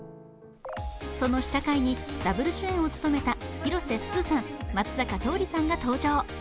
その試写会にダブル主演を務めた広瀬すずさん、松坂桃李さんが登場